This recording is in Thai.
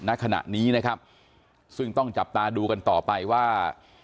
ณขณะนี้นะครับซึ่งต้องจับตาดูกันต่อไปว่า